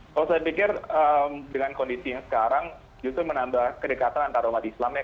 kalau saya pikir dengan kondisinya sekarang itu menambah kedekatan antara umat islamnya